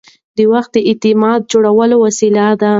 وخت د اعتماد جوړولو وسیله ده.